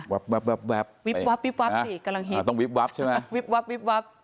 วับวับวับวับวิบวับวิบวับวิบวับวิบวับวิบวับวิบวับ